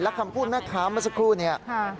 คำพูดแม่ค้าเมื่อสักครู่เนี่ย